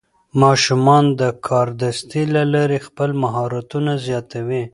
ماشومان د کاردستي له لارې خپل مهارتونه زیاتوي.